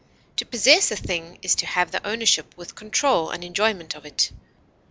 To possess a thing is to have the ownership with control and enjoyment of it.